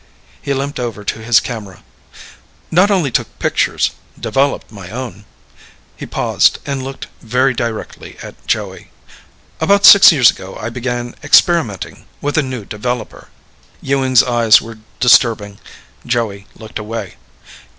He limped over to his camera. "Not only took pictures developed my own." He paused and looked very directly at Joey. "About six years ago, I began experimenting with a new developer." Ewing's eyes were disturbing. Joey looked away.